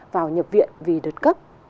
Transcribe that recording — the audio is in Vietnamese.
vào nhập viện vì đợt cấp